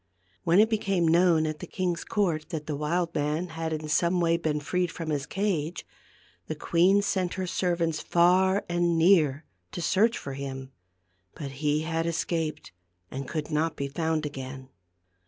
When it became known at the king's court that the wild man had in some way been freed from his cage, the queen sent her servants far and near to search for him. But he had escaped, and could not be found again.